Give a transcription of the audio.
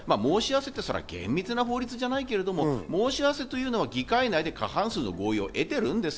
厳密な法律じゃないけど、申し合わせというのは議会内で過半数の合意を得ている。